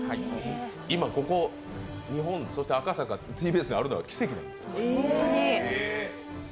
今ここ、日本、そして赤坂ＴＢＳにあるのは奇跡なんです。